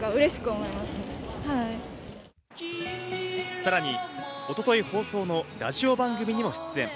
さらに一昨日、放送のラジオ番組にも出演。